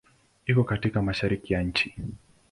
Iko katika Mashariki ya nchi.